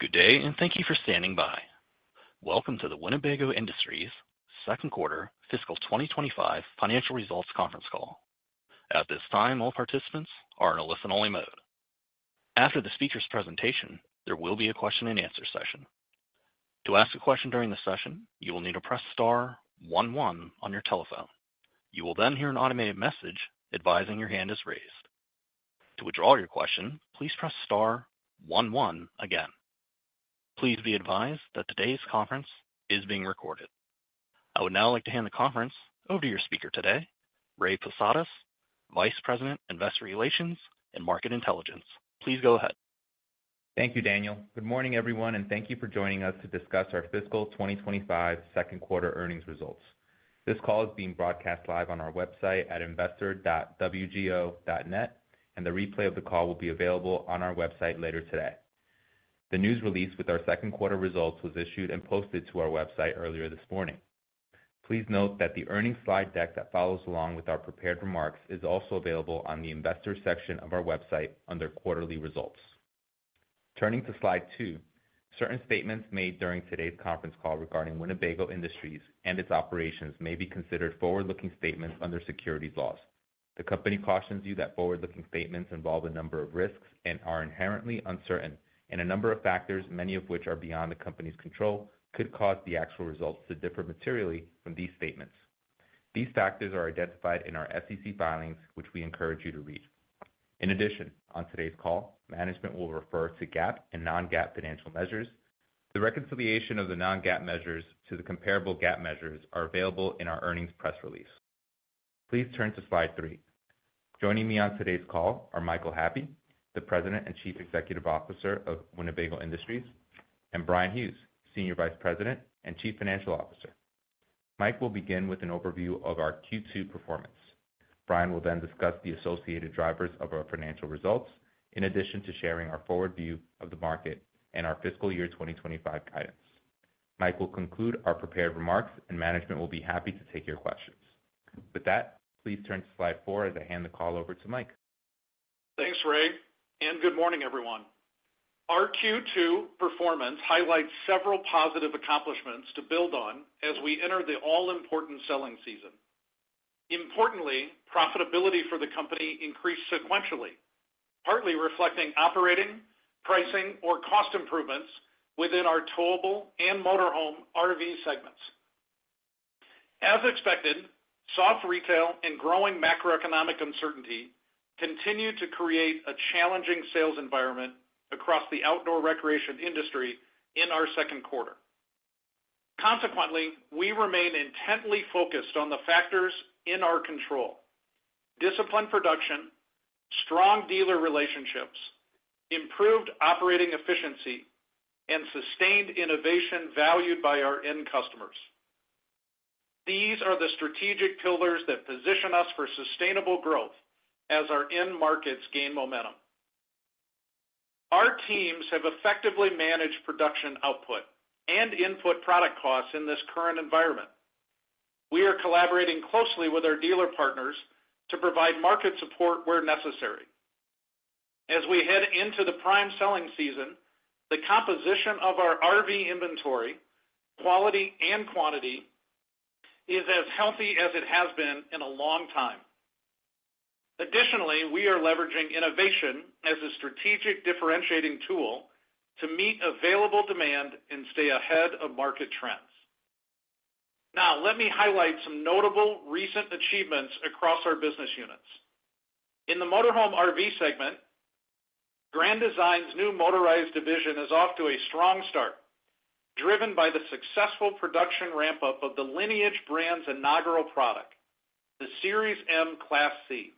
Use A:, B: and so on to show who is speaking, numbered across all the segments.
A: Good day, and thank you for standing by. Welcome to the Winnebago Industries second quarter fiscal 2025 financial results conference call. At this time, all participants are in a listen-only mode. After the speaker's presentation, there will be a question-and-answer session. To ask a question during the session, you will need to press star one-one on your telephone. You will then hear an automated message advising your hand is raised. To withdraw your question, please press star one-one again. Please be advised that today's conference is being recorded. I would now like to hand the conference over to your speaker today, Ray Posadas, Vice President, Investor Relations and Market Intelligence. Please go ahead.
B: Thank you, Daniel. Good morning, everyone, and thank you for joining us to discuss our fiscal 2025 second quarter earnings results. This call is being broadcast live on our website at investor.wgo.net, and the replay of the call will be available on our website later today. The news release with our second quarter results was issued and posted to our website earlier this morning. Please note that the earnings slide deck that follows along with our prepared remarks is also available on the investor section of our website under quarterly results. Turning to slide two, certain statements made during today's conference call regarding Winnebago Industries and its operations may be considered forward-looking statements under securities laws. The company cautions you that forward-looking statements involve a number of risks and are inherently uncertain, and a number of factors, many of which are beyond the company's control, could cause the actual results to differ materially from these statements. These factors are identified in our SEC filings, which we encourage you to read. In addition, on today's call, management will refer to GAAP and non-GAAP financial measures. The reconciliation of the non-GAAP measures to the comparable GAAP measures is available in our earnings press release. Please turn to slide three. Joining me on today's call are Michael Happe, the President and Chief Executive Officer of Winnebago Industries, and Bryan Hughes, Senior Vice President and Chief Financial Officer. Mike will begin with an overview of our Q2 performance. Bryan will then discuss the associated drivers of our financial results, in addition to sharing our forward view of the market and our fiscal year 2025 guidance. Mike will conclude our prepared remarks, and management will be happy to take your questions. With that, please turn to slide four as I hand the call over to Mike.
C: Thanks, Ray, and good morning, everyone. Our Q2 performance highlights several positive accomplishments to build on as we enter the all-important selling season. Importantly, profitability for the company increased sequentially, partly reflecting operating, pricing, or cost improvements within our towable and motorhome RV segments. As expected, soft retail and growing macroeconomic uncertainty continue to create a challenging sales environment across the outdoor recreation industry in our second quarter. Consequently, we remain intently focused on the factors in our control: disciplined production, strong dealer relationships, improved operating efficiency, and sustained innovation valued by our end customers. These are the strategic pillars that position us for sustainable growth as our end markets gain momentum. Our teams have effectively managed production output and input product costs in this current environment. We are collaborating closely with our dealer partners to provide market support where necessary. As we head into the prime selling season, the composition of our RV inventory, quality and quantity, is as healthy as it has been in a long time. Additionally, we are leveraging innovation as a strategic differentiating tool to meet available demand and stay ahead of market trends. Now, let me highlight some notable recent achievements across our business units. In the motorhome RV segment, Grand Design's new motorized division is off to a strong start, driven by the successful production ramp-up of the Lineage Brand's inaugural product, the Series M Class C.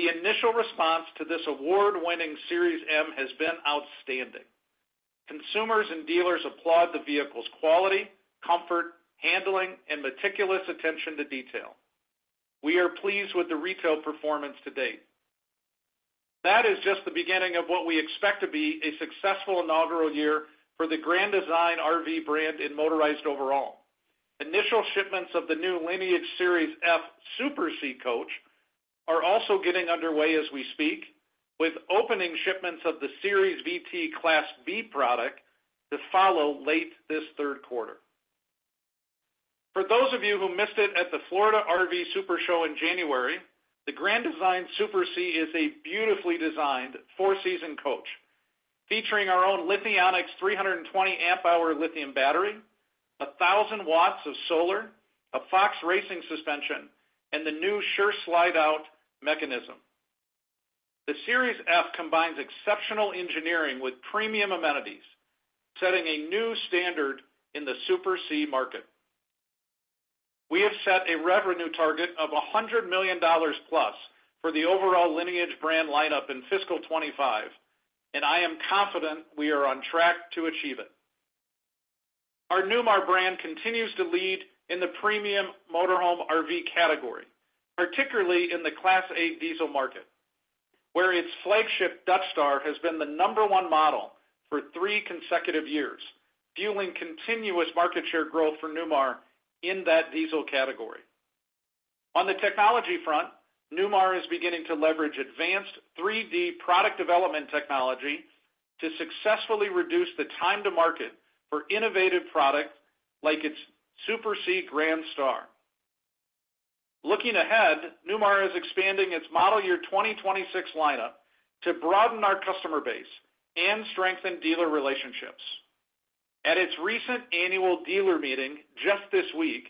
C: The initial response to this award-winning Series M has been outstanding. Consumers and dealers applaud the vehicle's quality, comfort, handling, and meticulous attention to detail. We are pleased with the retail performance to date. That is just the beginning of what we expect to be a successful inaugural year for the Grand Design RV brand in motorized overall. Initial shipments of the new Lineage Series F Super C coach are also getting underway as we speak, with opening shipments of the Series VT Class B product to follow late this third quarter. For those of you who missed it at the Florida RV Super Show in January, the Grand Design Super C is a beautifully designed four-season coach featuring our own Lithionics 320 amp-hour lithium battery, 1,000 watts of solar, a Fox Racing suspension, and the new Sure Slide Out mechanism. The Series F combines exceptional engineering with premium amenities, setting a new standard in the Super C market. We have set a revenue target of $100 million plus for the overall Lineage brand lineup in fiscal 2025, and I am confident we are on track to achieve it. Our Newmar brand continues to lead in the premium motorhome RV category, particularly in the Class A Diesel market, where its flagship Dutch Star has been the number one model for three consecutive years, fueling continuous market share growth for Newmar in that diesel category. On the technology front, Newmar is beginning to leverage advanced 3D product development technology to successfully reduce the time to market for innovative products like its Super C Grand Star. Looking ahead, Newmar is expanding its model year 2026 lineup to broaden our customer base and strengthen dealer relationships. At its recent annual dealer meeting just this week,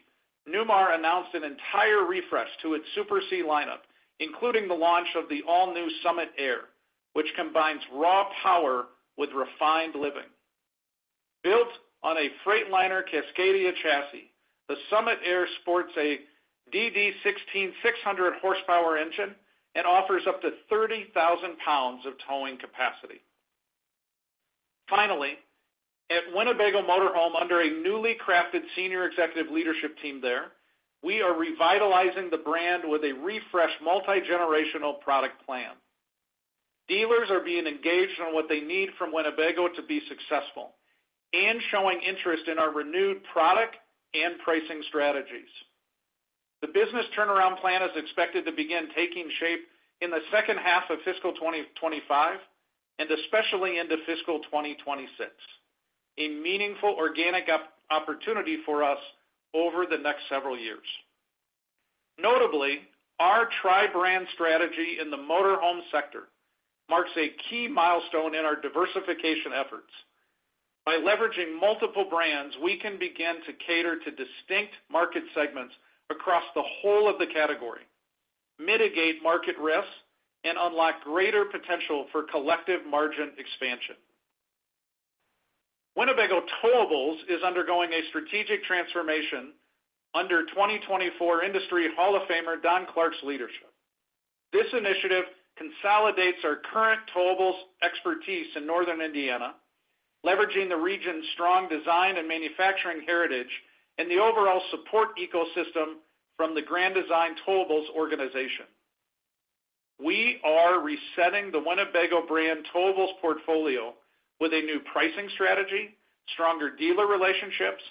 C: Newmar announced an entire refresh to its Super C lineup, including the launch of the all-new Summit Aire, which combines raw power with refined living. Built on a Freightliner Cascadia chassis, the Summit Aire sports a DD16 600 horsepower engine and offers up to 30,000 pounds of towing capacity. Finally, at Winnebago Motorhome, under a newly crafted senior executive leadership team there, we are revitalizing the brand with a refreshed multi-generational product plan. Dealers are being engaged on what they need from Winnebago to be successful and showing interest in our renewed product and pricing strategies. The business turnaround plan is expected to begin taking shape in the second half of fiscal 2025 and especially into fiscal 2026, a meaningful organic opportunity for us over the next several years. Notably, our Tribrand Strategy in the motorhome sector marks a key milestone in our diversification efforts. By leveraging multiple brands, we can begin to cater to distinct market segments across the whole of the category, mitigate market risks, and unlock greater potential for collective margin expansion. Winnebago Towables is undergoing a strategic transformation under 2024 Industry Hall of Famer Don Clark's leadership. This initiative consolidates our current towables expertise in Northern Indiana, leveraging the region's strong design and manufacturing heritage and the overall support ecosystem from the Grand Design Towables organization. We are resetting the Winnebago brand towables portfolio with a new pricing strategy, stronger dealer relationships,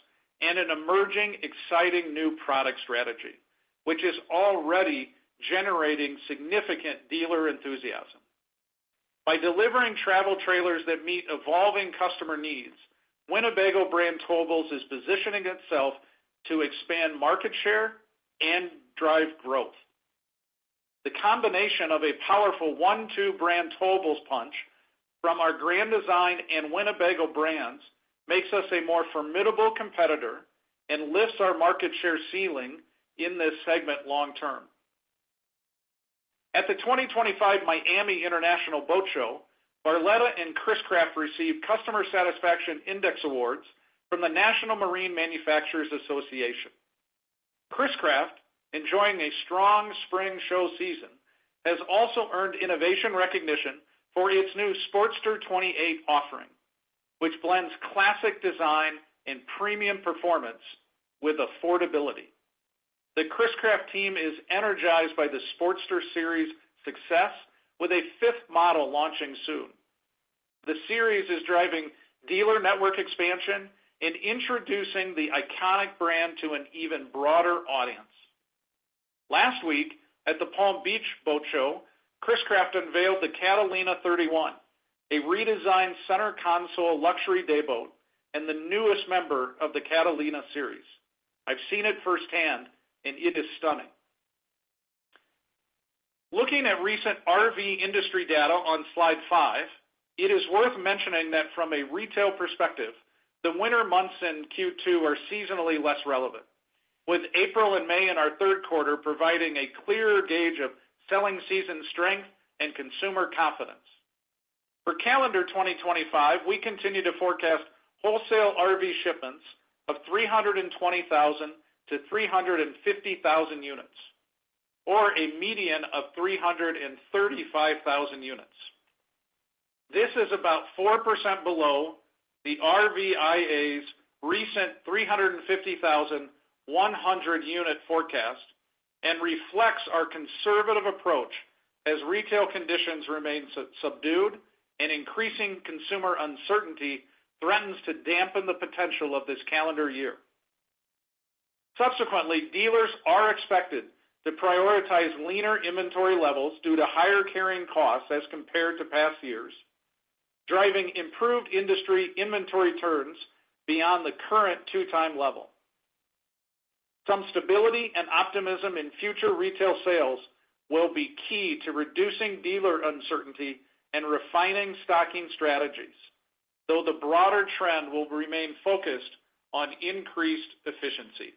C: and an emerging, exciting new product strategy, which is already generating significant dealer enthusiasm. By delivering travel trailers that meet evolving customer needs, Winnebago brand towables is positioning itself to expand market share and drive growth. The combination of a powerful one-two brand towables punch from our Grand Design and Winnebago brands makes us a more formidable competitor and lifts our market share ceiling in this segment long term. At the 2025 Miami International Boat Show, Barletta and Chris-Craft received Customer Satisfaction Index Awards from the National Marine Manufacturers Association. Chris-Craft, enjoying a strong spring show season, has also earned innovation recognition for its new Sportster 28 offering, which blends classic design and premium performance with affordability. The Chris-Craft team is energized by the Sportster series success, with a fifth model launching soon. The series is driving dealer network expansion and introducing the iconic brand to an even broader audience. Last week at the Palm Beach Boat Show, Chris-Craft unveiled the Catalina 31, a redesigned center console luxury dayboat and the newest member of the Catalina series. I've seen it firsthand, and it is stunning. Looking at recent RV industry data on slide five, it is worth mentioning that from a retail perspective, the winter months in Q2 are seasonally less relevant, with April and May in our third quarter providing a clearer gauge of selling season strength and consumer confidence. For calendar 2025, we continue to forecast wholesale RV shipments of 320,000-350,000 units, or a median of 335,000 units. This is about 4% below the RVIA's recent 350,100 unit forecast and reflects our conservative approach as retail conditions remain subdued and increasing consumer uncertainty threatens to dampen the potential of this calendar year. Subsequently, dealers are expected to prioritize leaner inventory levels due to higher carrying costs as compared to past years, driving improved industry inventory turns beyond the current two-time level. Some stability and optimism in future retail sales will be key to reducing dealer uncertainty and refining stocking strategies, though the broader trend will remain focused on increased efficiency.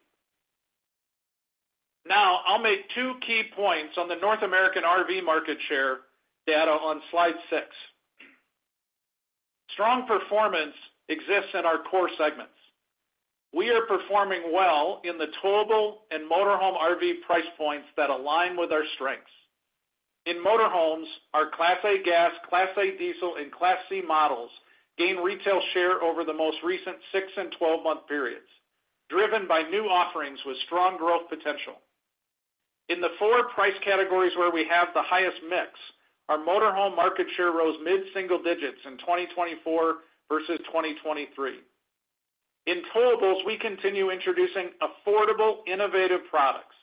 C: Now, I'll make two key points on the North American RV market share data on slide six. Strong performance exists in our core segments. We are performing well in the towable and motorhome RV price points that align with our strengths. In Motorhomes, our Class A gas, Class A diesel, and Class C models gain retail share over the most recent six and twelve-month periods, driven by new offerings with strong growth potential. In the four price categories where we have the highest mix, our motorhome market share rose mid-single digits in 2024 versus 2023. In towables, we continue introducing affordable, innovative products,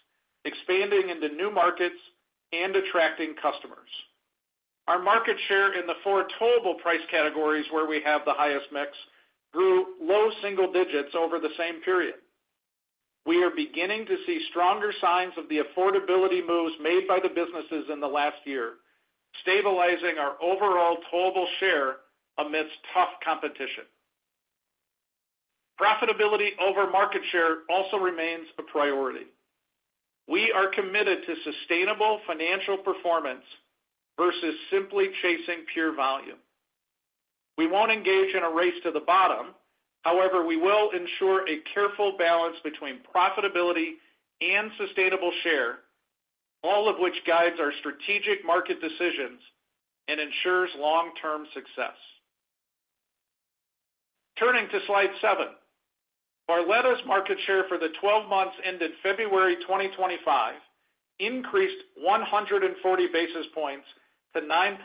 C: expanding into new markets and attracting customers. Our market share in the four towable price categories where we have the highest mix grew low single digits over the same period. We are beginning to see stronger signs of the affordability moves made by the businesses in the last year, stabilizing our overall towable share amidst tough competition. Profitability over market share also remains a priority. We are committed to sustainable financial performance versus simply chasing pure volume. We will not engage in a race to the bottom; however, we will ensure a careful balance between profitability and sustainable share, all of which guides our strategic market decisions and ensures long-term success. Turning to slide seven, Barletta's market share for the 12 months ended February 2025 increased 140 basis points to 9.5%.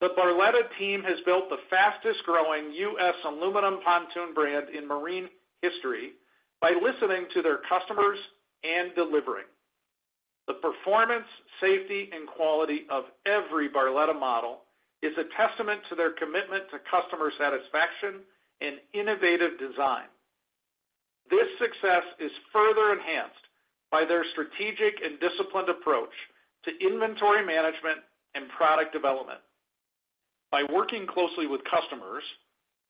C: The Barletta team has built the fastest-growing U.S. aluminum pontoon brand in marine history by listening to their customers and delivering. The performance, safety, and quality of every Barletta model is a testament to their commitment to customer satisfaction and innovative design. This success is further enhanced by their strategic and disciplined approach to inventory management and product development. By working closely with customers,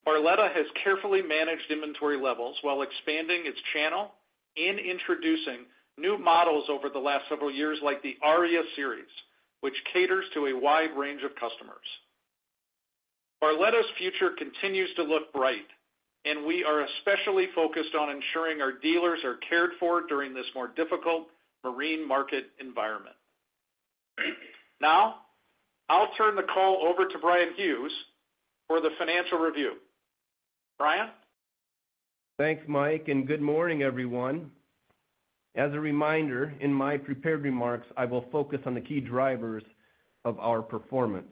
C: Barletta has carefully managed inventory levels while expanding its channel and introducing new models over the last several years like the Aria Series, which caters to a wide range of customers. Barletta's future continues to look bright, and we are especially focused on ensuring our dealers are cared for during this more difficult marine market environment. Now, I'll turn the call over to Bryan Hughes for the financial review. Bryan?
D: Thanks, Mike, and good morning, everyone. As a reminder, in my prepared remarks, I will focus on the key drivers of our performance.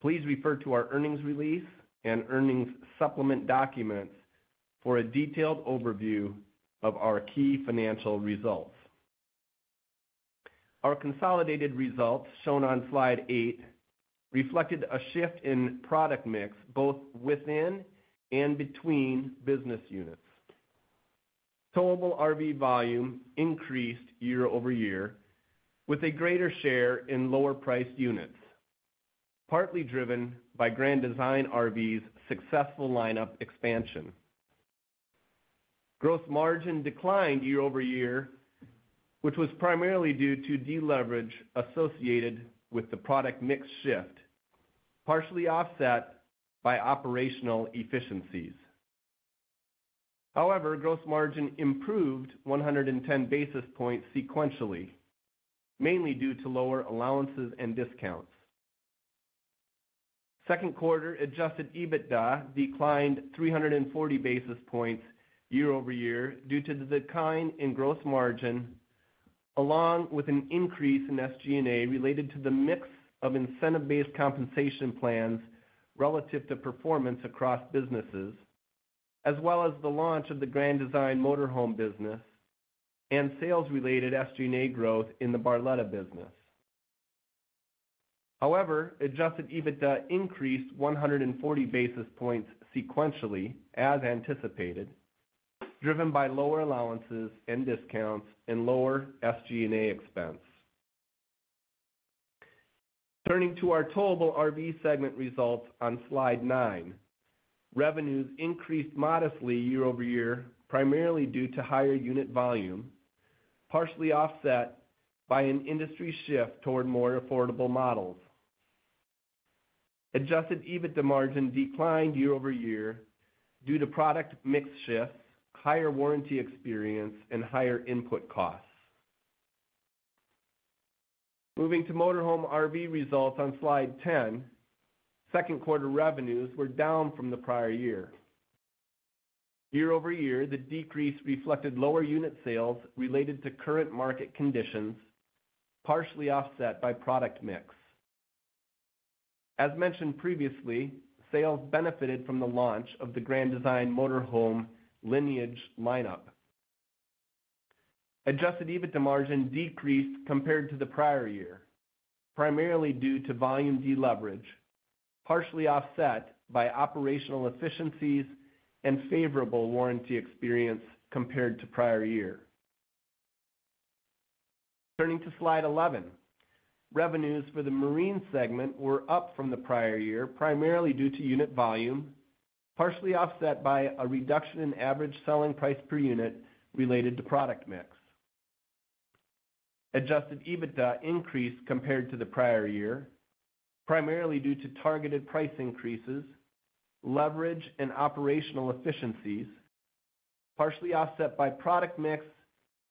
D: Please refer to our earnings release and earnings supplement documents for a detailed overview of our key financial results. Our consolidated results shown on slide eight reflected a shift in product mix both within and between business units. Towable RV volume increased year over year with a greater share in lower-priced units, partly driven by Grand Design RV's successful lineup expansion. Gross margin declined year over year, which was primarily due to deleverage associated with the product mix shift, partially offset by operational efficiencies. However, gross margin improved 110 basis points sequentially, mainly due to lower allowances and discounts. Second quarter adjusted EBITDA declined 340 basis points year-over-year due to the decline in gross margin, along with an increase in SG&A related to the mix of incentive-based compensation plans relative to performance across businesses, as well as the launch of the Grand Design Motorhome business and sales-related SG&A growth in the Barletta business. However, adjusted EBITDA increased 140 basis points sequentially, as anticipated, driven by lower allowances and discounts and lower SG&A expense. Turning to our towable RV segment results on slide nine, revenues increased modestly year over year, primarily due to higher unit volume, partially offset by an industry shift toward more affordable models. Adjusted EBITDA margin declined year-over- year due to product mix shifts, higher warranty experience, and higher input costs. Moving to motorhome RV results on slide 10, second quarter revenues were down from the prior year. Year over year, the decrease reflected lower unit sales related to current market conditions, partially offset by product mix. As mentioned previously, sales benefited from the launch of the Grand Design Motorhome Lineage lineup. Adjusted EBITDA margin decreased compared to the prior year, primarily due to volume deleverage, partially offset by operational efficiencies and favorable warranty experience compared to prior year. Turning to slide 11, revenues for the marine segment were up from the prior year, primarily due to unit volume, partially offset by a reduction in average selling price per unit related to product mix. Adjusted EBITDA increased compared to the prior year, primarily due to targeted price increases, leverage and operational efficiencies, partially offset by product mix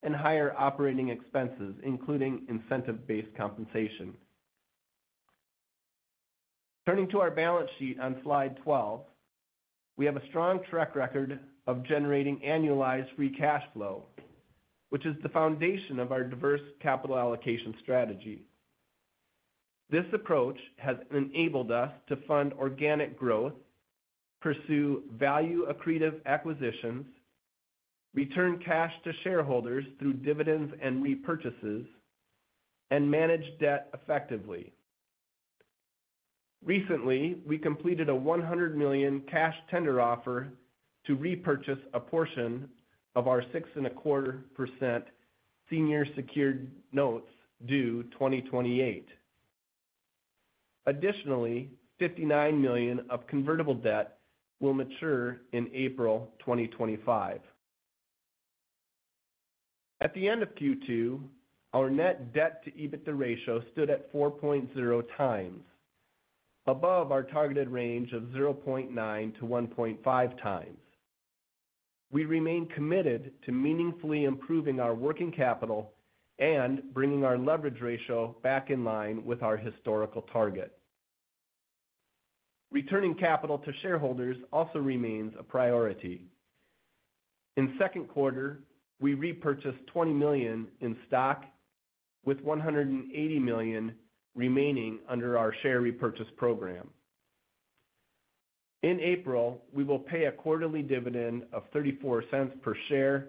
D: and higher operating expenses, including incentive-based compensation. Turning to our balance sheet on slide 12, we have a strong track record of generating annualized free cash flow, which is the foundation of our diverse capital allocation strategy. This approach has enabled us to fund organic growth, pursue value-accretive acquisitions, return cash to shareholders through dividends and repurchases, and manage debt effectively. Recently, we completed a $100 million cash tender offer to repurchase a portion of our 6.25% senior secured notes due 2028. Additionally, $59 million of convertible debt will mature in April 2025. At the end of Q2, our net debt-to-EBITDA ratio stood at 4.0 times, above our targeted range of 0.9-1.5 times. We remain committed to meaningfully improving our working capital and bringing our leverage ratio back in line with our historical target. Returning capital to shareholders also remains a priority. In second quarter, we repurchased $20 million in stock, with $180 million remaining under our share repurchase program. In April, we will pay a quarterly dividend of $0.34 per share,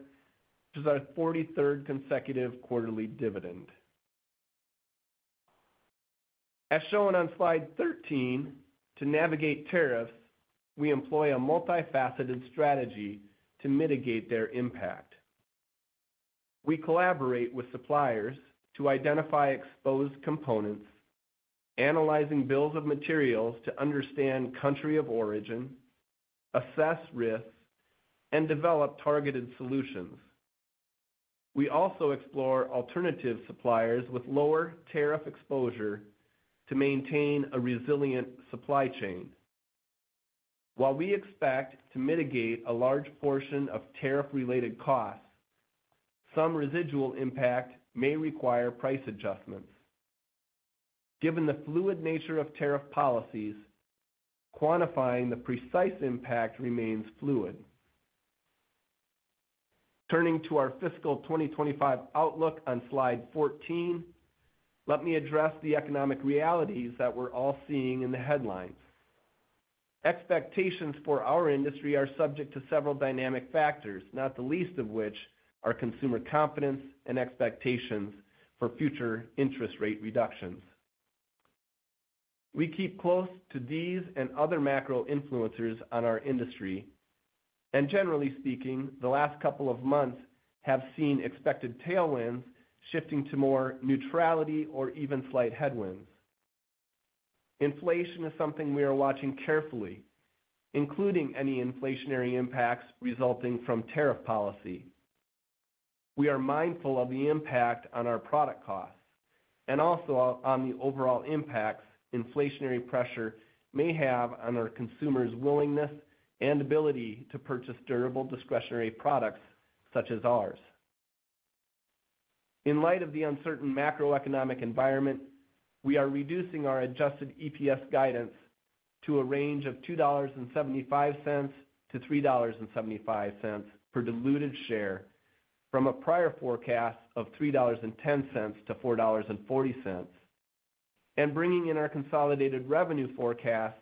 D: which is our 43rd consecutive quarterly dividend. As shown on slide 13, to navigate tariffs, we employ a multifaceted strategy to mitigate their impact. We collaborate with suppliers to identify exposed components, analyze bills of materials to understand country of origin, assess risks, and develop targeted solutions. We also explore alternative suppliers with lower tariff exposure to maintain a resilient supply chain. While we expect to mitigate a large portion of tariff-related costs, some residual impact may require price adjustments. Given the fluid nature of tariff policies, quantifying the precise impact remains fluid. Turning to our fiscal 2025 outlook on slide fourteen, let me address the economic realities that we're all seeing in the headlines. Expectations for our industry are subject to several dynamic factors, not the least of which are consumer confidence and expectations for future interest rate reductions. We keep close to these and other macro influencers on our industry, and generally speaking, the last couple of months have seen expected tailwinds shifting to more neutrality or even slight headwinds. Inflation is something we are watching carefully, including any inflationary impacts resulting from tariff policy. We are mindful of the impact on our product costs and also on the overall impacts inflationary pressure may have on our consumers' willingness and ability to purchase durable discretionary products such as ours. In light of the uncertain macroeconomic environment, we are reducing our adjusted EPS guidance to a range of $2.75-$3.75 per diluted share from a prior forecast of $3.10-$4.40, and bringing in our consolidated revenue forecast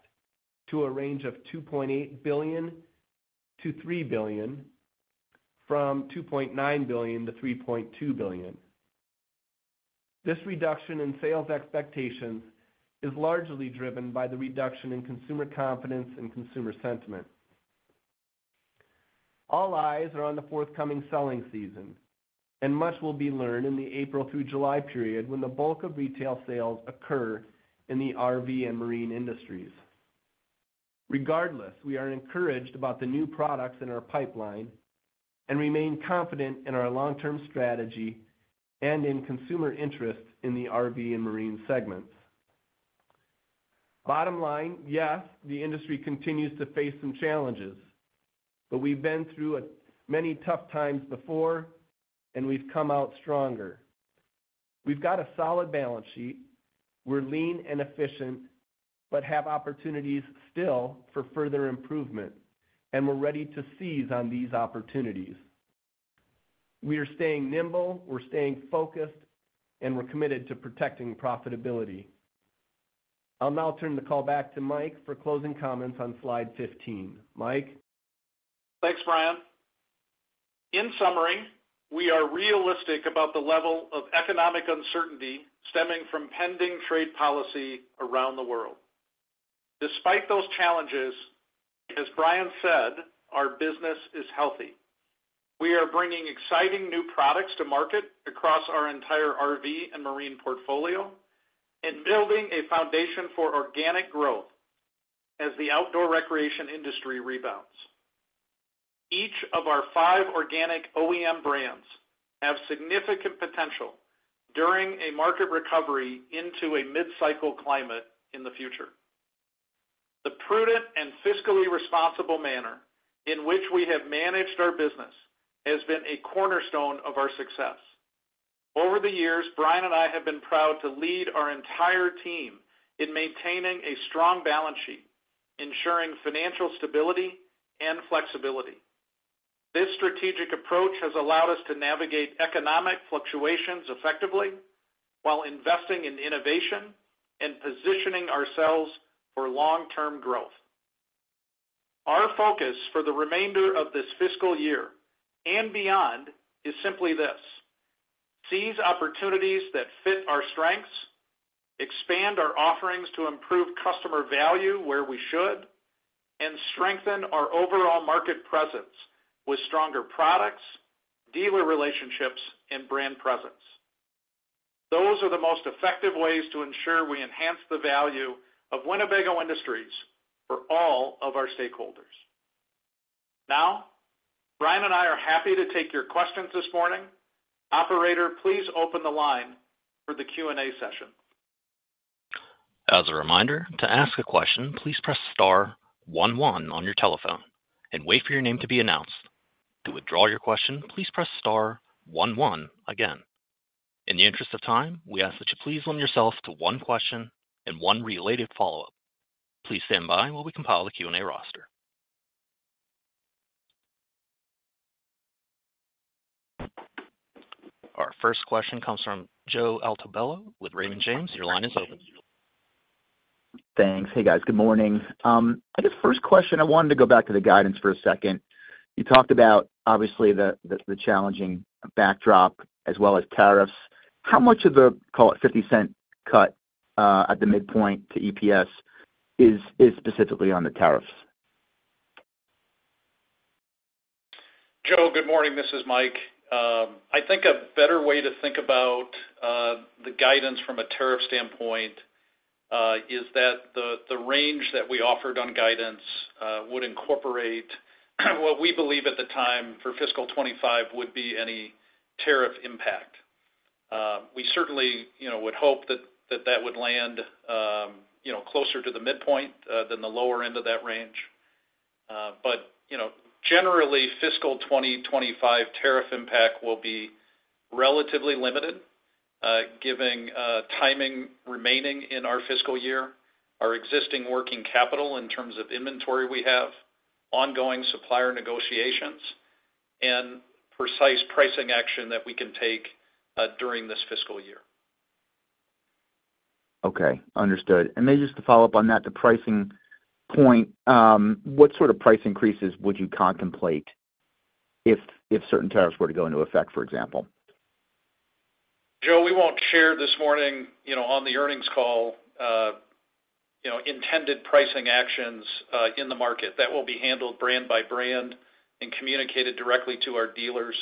D: to a range of $2.8 billion-$3 billion, from $2.9 billion-$3.2 billion. This reduction in sales expectations is largely driven by the reduction in consumer confidence and consumer sentiment. All eyes are on the forthcoming selling season, and much will be learned in the April through July period when the bulk of retail sales occur in the RV and marine industries. Regardless, we are encouraged about the new products in our pipeline and remain confident in our long-term strategy and in consumer interest in the RV and marine segments. Bottom line, yes, the industry continues to face some challenges, but we've been through many tough times before, and we've come out stronger. We've got a solid balance sheet. We're Lean and efficient, but have opportunities still for further improvement, and we're ready to seize on these opportunities. We are staying nimble, we're staying focused, and we're committed to protecting profitability. I'll now turn the call back to Mike for closing comments on slide 15. Mike.
C: Thanks, Bryan. In summary, we are realistic about the level of economic uncertainty stemming from pending trade policy around the world. Despite those challenges, as Bryan said, our business is healthy. We are bringing exciting new products to market across our entire RV and marine portfolio and building a foundation for organic growth as the outdoor recreation industry rebounds. Each of our five organic OEM brands has significant potential during a market recovery into a mid-cycle climate in the future. The prudent and fiscally responsible manner in which we have managed our business has been a cornerstone of our success. Over the years, Bryan and I have been proud to lead our entire team in maintaining a strong balance sheet, ensuring financial stability and flexibility. This strategic approach has allowed us to navigate economic fluctuations effectively while investing in innovation and positioning ourselves for long-term growth. Our focus for the remainder of this fiscal year and beyond is simply this: seize opportunities that fit our strengths, expand our offerings to improve customer value where we should, and strengthen our overall market presence with stronger products, dealer relationships, and brand presence. Those are the most effective ways to ensure we enhance the value of Winnebago Industries for all of our stakeholders. Now, Bryan and I are happy to take your questions this morning. Operator, please open the line for the Q&A session.
A: As a reminder, to ask a question, please press star one-one on your telephone and wait for your name to be announced. To withdraw your question, please press star one-one again. In the interest of time, we ask that you please limit yourself to one question and one related follow-up. Please stand by while we compile the Q&A roster. Our first question comes from Joseph Altobello with Raymond James. Your line is open.
E: Thanks. Hey, guys. Good morning. I guess first question, I wanted to go back to the guidance for a second. You talked about, obviously, the challenging backdrop as well as tariffs. How much of the, call it, $0.50 cut at the midpoint to EPS is specifically on the tariffs?
C: Joe, good morning. This is Mike. I think a better way to think about the guidance from a tariff standpoint is that the range that we offered on guidance would incorporate what we believe at the time for fiscal 2025 would be any tariff impact. We certainly would hope that that would land closer to the midpoint than the lower end of that range. Generally, fiscal 2025 tariff impact will be relatively limited, given timing remaining in our fiscal year, our existing working capital in terms of inventory we have, ongoing supplier negotiations, and precise pricing action that we can take during this fiscal year.
E: Okay. Understood. Maybe just to follow up on that, the pricing point, what sort of price increases would you contemplate if certain tariffs were to go into effect, for example?
C: Joe, we will not share this morning on the earnings call intended pricing actions in the market. That will be handled brand by brand and communicated directly to our dealers.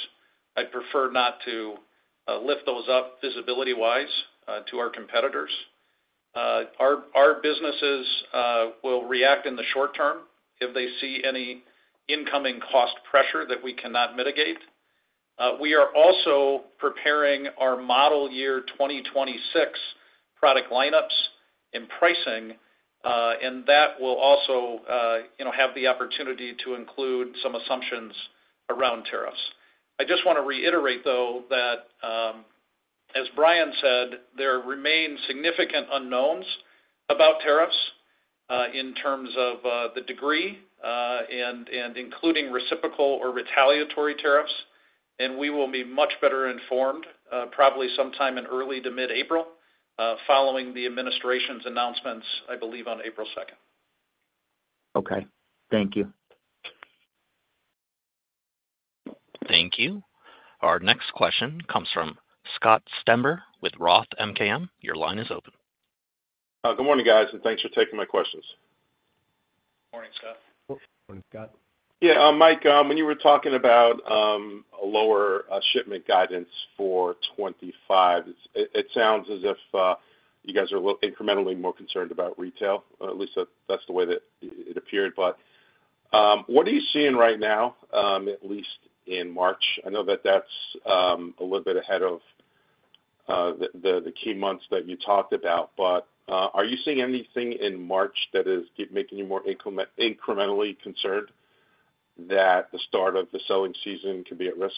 C: I would prefer not to lift those up visibility-wise to our competitors. Our businesses will react in the short term if they see any incoming cost pressure that we cannot mitigate. We are also preparing our model year 2026 product lineups and pricing, and that will also have the opportunity to include some assumptions around tariffs. I just want to reiterate, though, that as Bryan said, there remain significant unknowns about tariffs in terms of the degree and including reciprocal or retaliatory tariffs, and we will be much better informed probably sometime in early to mid-April following the administration's announcements, I believe, on April 2nd.
E: Okay. Thank you.
A: Thank you. Our next question comes from Scott Stember with Roth MKM. Your line is open.
F: Good morning, guys, and thanks for taking my questions.
D: Morning, Scott.
C: Morning, Scott.
F: Yeah, Mike, when you were talking about a lower shipment guidance for 2025, it sounds as if you guys are incrementally more concerned about retail. At least that's the way that it appeared. What are you seeing right now, at least in March? I know that that's a little bit ahead of the key months that you talked about, but are you seeing anything in March that is making you more incrementally concerned that the start of the selling season could be at risk?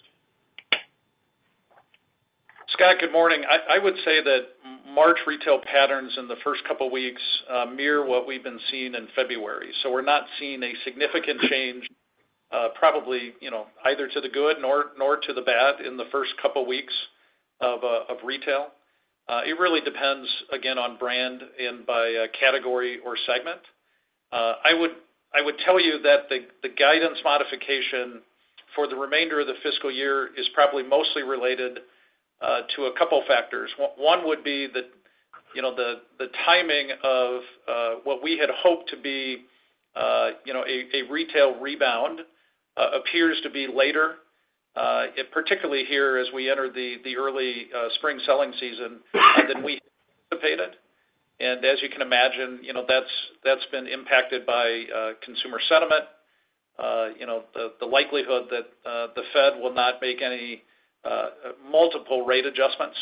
C: Scott, good morning. I would say that March retail patterns in the first couple of weeks mirror what we've been seeing in February. We are not seeing a significant change, probably either to the good nor to the bad in the first couple of weeks of retail. It really depends, again, on brand and by category or segment. I would tell you that the guidance modification for the remainder of the fiscal year is probably mostly related to a couple of factors. One would be that the timing of what we had hoped to be a retail rebound appears to be later, particularly here as we enter the early spring selling season than we anticipated. As you can imagine, that's been impacted by consumer sentiment, the likelihood that the Fed will not make any multiple rate adjustments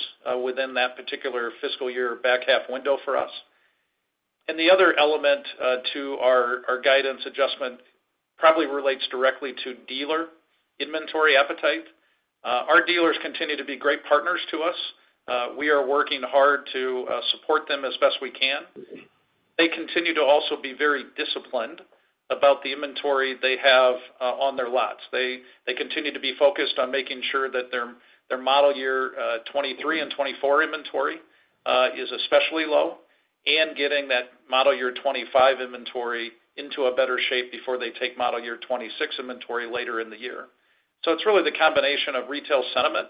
C: within that particular fiscal year back-half window for us. The other element to our guidance adjustment probably relates directly to dealer inventory appetite. Our dealers continue to be great partners to us. We are working hard to support them as best we can. They continue to also be very disciplined about the inventory they have on their lots. They continue to be focused on making sure that their model year 2023 and 2024 inventory is especially low and getting that model year 2025 inventory into a better shape before they take model year 2026 inventory later in the year. It is really the combination of retail sentiment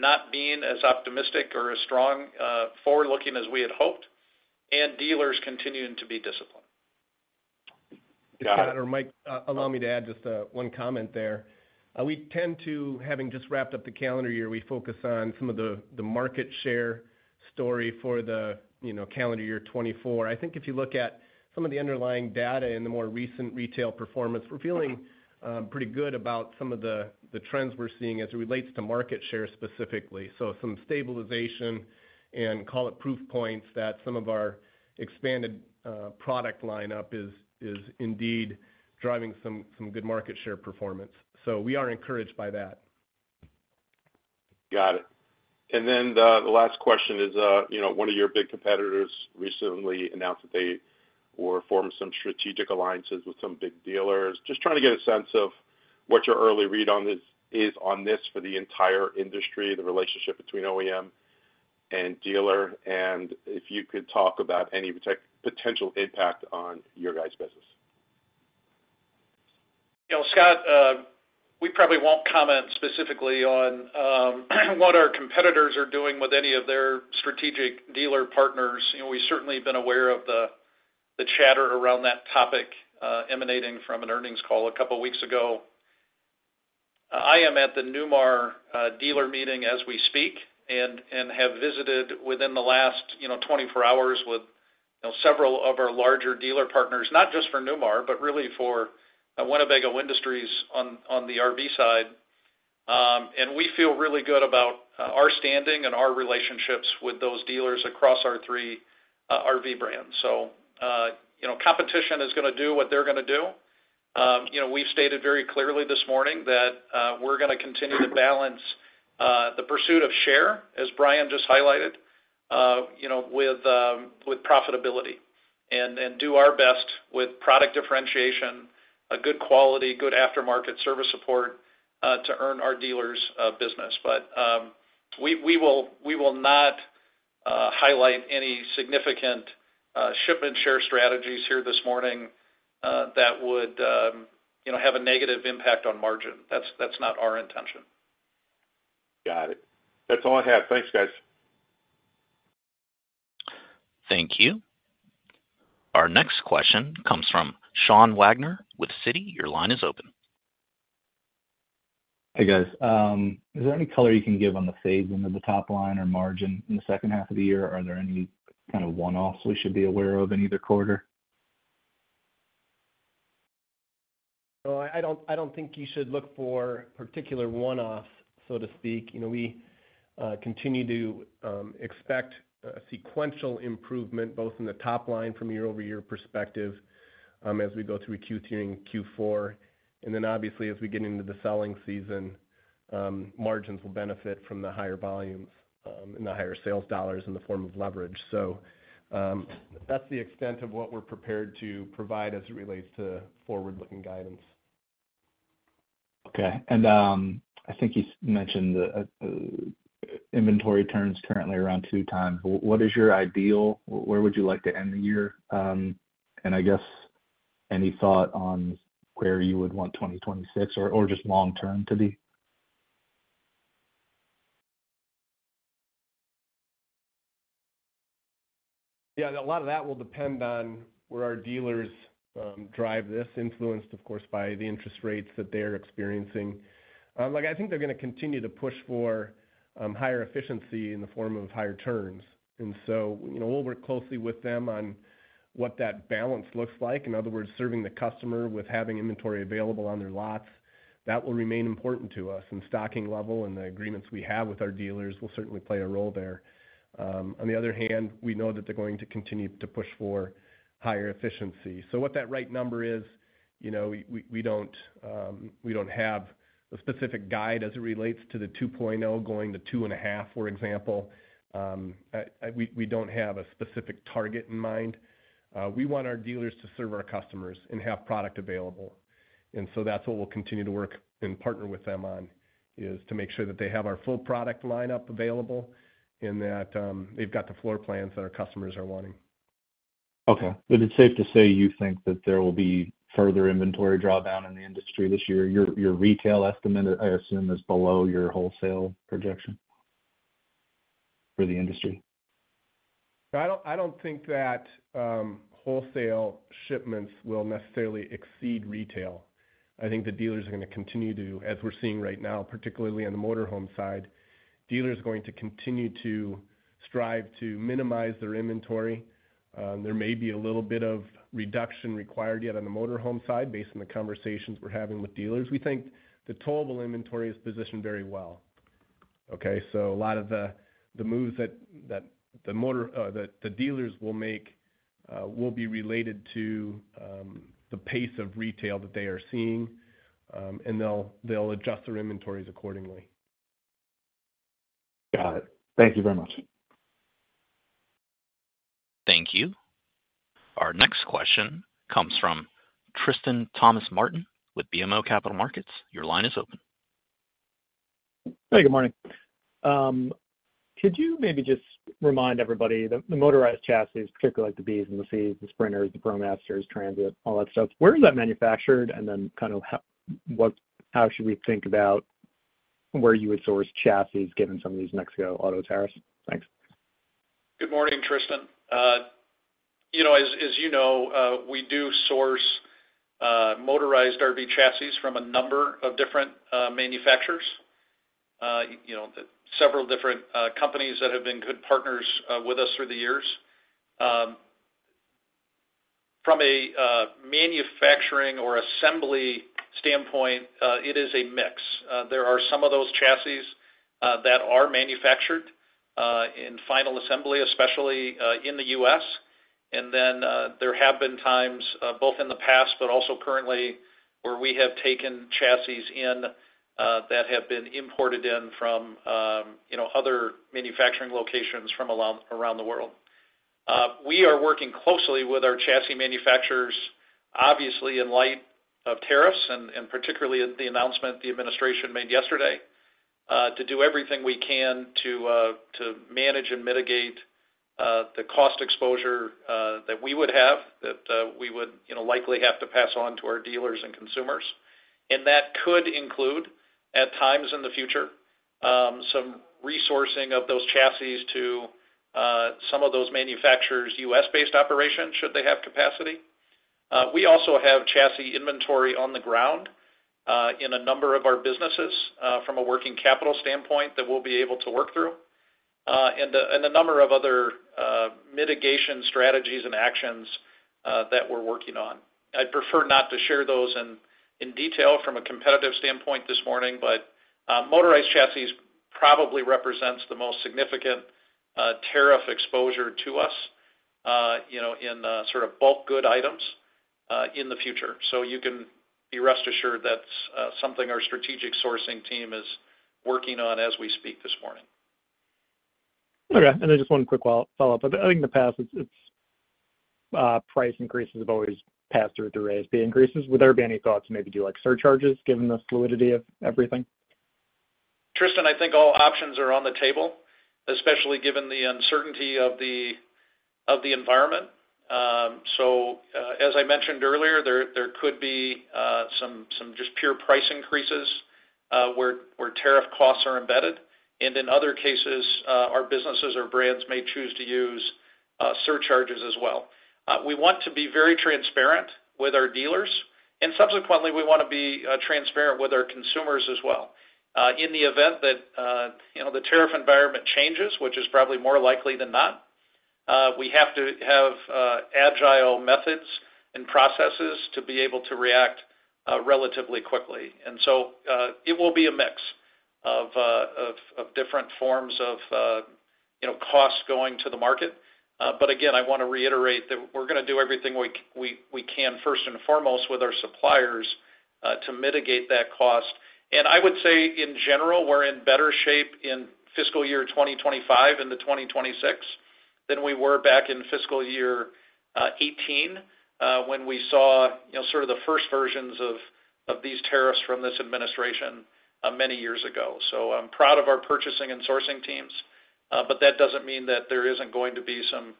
C: not being as optimistic or as strong forward-looking as we had hoped, and dealers continuing to be disciplined.
F: Got it. Mike, allow me to add just one comment there. We tend to, having just wrapped up the calendar year, focus on some of the market share story for the calendar year 2024. I think if you look at some of the underlying data and the more recent retail performance, we are feeling pretty good about some of the trends we are seeing as it relates to market share specifically. Some stabilization and, call it, proof points that some of our expanded product lineup is indeed driving some good market share performance. We are encouraged by that. Got it. The last question is, one of your big competitors recently announced that they were forming some strategic alliances with some big dealers. Just trying to get a sense of what your early read on this is for the entire industry, the relationship between OEM and dealer, and if you could talk about any potential impact on your guys' business.
C: Scott, we probably will not comment specifically on what our competitors are doing with any of their strategic dealer partners. We have certainly been aware of the chatter around that topic emanating from an earnings call a couple of weeks ago. I am at the Newmar dealer meeting as we speak and have visited within the last 24 hours with several of our larger dealer partners, not just for Newmar, but really for Winnebago Industries on the RV side. We feel really good about our standing and our relationships with those dealers across our three RV brands. Competition is going to do what they're going to do. We've stated very clearly this morning that we're going to continue to balance the pursuit of share, as Bryan just highlighted, with profitability and do our best with product differentiation, good quality, good aftermarket service support to earn our dealers' business. We will not highlight any significant shipment share strategies here this morning that would have a negative impact on margin. That's not our intention.
F: Got it. That's all I have. Thanks, guys.
A: Thank you. Our next question comes from Sean Wagner with Citi. Your line is open.
G: Hey, guys. Is there any color you can give on the fades into the top line or margin in the second half of the year? Are there any kind of one-offs we should be aware of in either quarter?
D: I do not think you should look for particular one-offs, so to speak. We continue to expect sequential improvement both in the top line from a year-over-year perspective as we go through Q3 and Q4. Obviously, as we get into the selling season, margins will benefit from the higher volumes and the higher sales dollars in the form of leverage. That is the extent of what we are prepared to provide as it relates to forward-looking guidance.
G: Okay. I think you mentioned inventory turns currently around two times. What is your ideal? Where would you like to end the year? I guess any thought on where you would want 2026 or just long-term to be?
D: Yeah, a lot of that will depend on where our dealers drive this, influenced, of course, by the interest rates that they're experiencing. I think they're going to continue to push for higher efficiency in the form of higher turns. We will work closely with them on what that balance looks like. In other words, serving the customer with having inventory available on their lots, that will remain important to us. Stocking level and the agreements we have with our dealers will certainly play a role there. On the other hand, we know that they're going to continue to push for higher efficiency. What that right number is, we don't have a specific guide as it relates to the 2.0 going to 2.5, for example. We don't have a specific target in mind. We want our dealers to serve our customers and have product available. That is what we will continue to work and partner with them on, to make sure that they have our full product lineup available and that they've got the floor plans that our customers are wanting.
G: Okay. It is safe to say you think that there will be further inventory drawdown in the industry this year. Your retail estimate, I assume, is below your wholesale projection for the industry.
D: I don't think that wholesale shipments will necessarily exceed retail. I think the dealers are going to continue to, as we're seeing right now, particularly on the motorhome side, dealers are going to continue to strive to minimize their inventory. There may be a little bit of reduction required yet on the motorhome side based on the conversations we're having with dealers. We think the total inventory is positioned very well. Okay? A lot of the moves that the dealers will make will be related to the pace of retail that they are seeing, and they'll adjust their inventories accordingly.
G: Got it. Thank you very much.
A: Thank you. Our next question comes from Tristan Thomas-Martin with BMO Capital Markets. Your line is open.
H: Hey, good morning. Could you maybe just remind everybody that the motorized chassis, particularly like the Bs and the Cs, the Sprinters, the ProMasters, Transit, all that stuff, where is that manufactured? Then kind of how should we think about where you would source chassis given some of these Mexico auto tariffs? Thanks.
C: Good morning, Tristan. As you know, we do source motorized RV chassis from a number of different manufacturers, several different companies that have been good partners with us through the years. From a manufacturing or assembly standpoint, it is a mix. There are some of those chassis that are manufactured in final assembly, especially in the U.S. There have been times, both in the past but also currently, where we have taken chassis in that have been imported in from other manufacturing locations from around the world. We are working closely with our chassis manufacturers, obviously, in light of tariffs and particularly the announcement the administration made yesterday, to do everything we can to manage and mitigate the cost exposure that we would have that we would likely have to pass on to our dealers and consumers. That could include, at times in the future, some resourcing of those chassis to some of those manufacturers' U.S.-based operations should they have capacity. We also have chassis inventory on the ground in a number of our businesses from a working capital standpoint that we will be able to work through and a number of other mitigation strategies and actions that we are working on. I would prefer not to share those in detail from a competitive standpoint this morning, but motorized chassis probably represents the most significant tariff exposure to us in sort of bulk good items in the future. You can be rest assured that's something our strategic sourcing team is working on as we speak this morning.
H: Okay. Just one quick follow-up. I think in the past, price increases have always passed through through ASP increases. Would there be any thoughts to maybe do surcharges given the fluidity of everything?
C: Tristan, I think all options are on the table, especially given the uncertainty of the environment. As I mentioned earlier, there could be some just pure price increases where tariff costs are embedded. In other cases, our businesses or brands may choose to use surcharges as well. We want to be very transparent with our dealers. Subsequently, we want to be transparent with our consumers as well. In the event that the tariff environment changes, which is probably more likely than not, we have to have agile methods and processes to be able to react relatively quickly. It will be a mix of different forms of cost going to the market. Again, I want to reiterate that we're going to do everything we can, first and foremost, with our suppliers to mitigate that cost. I would say, in general, we're in better shape in fiscal year 2025 into 2026 than we were back in fiscal year 2018 when we saw sort of the first versions of these tariffs from this administration many years ago. I'm proud of our purchasing and sourcing teams, but that doesn't mean that there isn't going to be some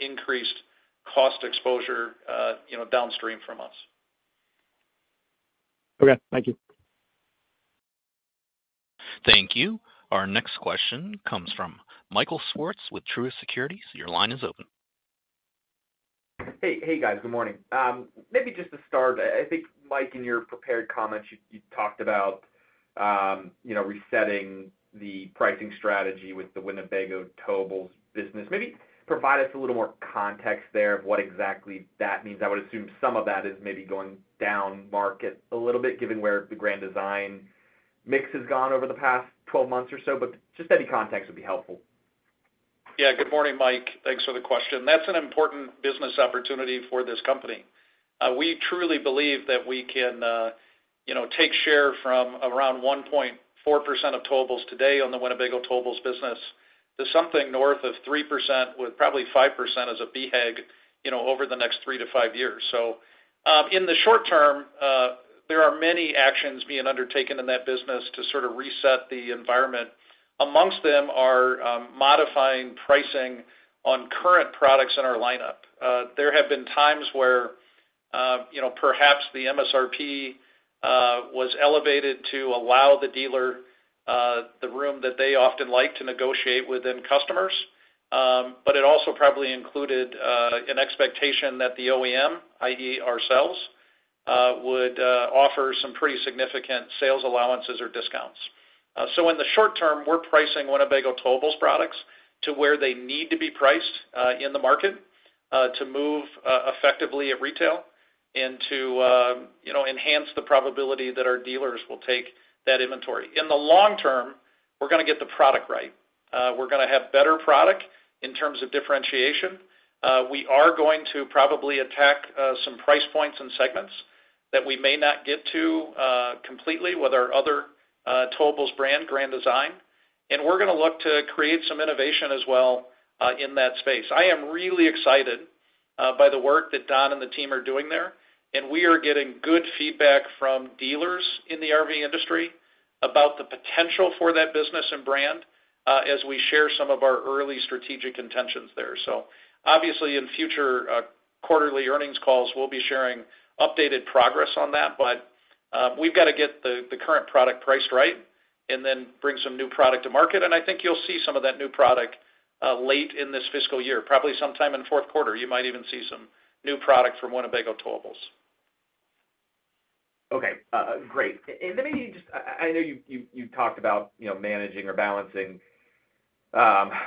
C: increased cost exposure downstream from us.
H: Okay. Thank you.
A: Thank you. Our next question comes from Michael Swartz with Truist Securities. Your line is open.
I: Hey, guys. Good morning. Maybe just to start, I think, Mike, in your prepared comments, you talked about resetting the pricing strategy with the Winnebago Towables business. Maybe provide us a little more context there of what exactly that means. I would assume some of that is maybe going down market a little bit, given where the Grand Design mix has gone over the past 12 months or so. Just any context would be helpful.
C: Yeah. Good morning, Mike. Thanks for the question. That is an important business opportunity for this company. We truly believe that we can take share from around 1.4% of towables today on the Winnebago Towables business to something north of 3% with probably 5% as a BHAG over the next three to five years. In the short term, there are many actions being undertaken in that business to sort of reset the environment. Amongst them are modifying pricing on current products in our lineup. There have been times where perhaps the MSRP was elevated to allow the dealer the room that they often like to negotiate within customers. It also probably included an expectation that the OEM, i.e., ourselves, would offer some pretty significant sales allowances or discounts. In the short term, we're pricing Winnebago Towables products to where they need to be priced in the market to move effectively at retail and to enhance the probability that our dealers will take that inventory. In the long term, we're going to get the product right. We're going to have better product in terms of differentiation. We are going to probably attack some price points and segments that we may not get to completely with our other towables brand, Grand Design. We are going to look to create some innovation as well in that space. I am really excited by the work that Don and the team are doing there. We are getting good feedback from dealers in the RV industry about the potential for that business and brand as we share some of our early strategic intentions there. Obviously, in future quarterly earnings calls, we will be sharing updated progress on that. We have got to get the current product priced right and then bring some new product to market. I think you will see some of that new product late in this fiscal year, probably sometime in fourth quarter. You might even see some new product from Winnebago towables.
I: Okay. Great. I know you talked about managing or balancing